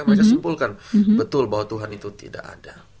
mereka simpulkan betul bahwa tuhan itu tidak ada